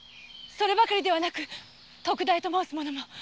そればかりではなく徳田屋と申す者も！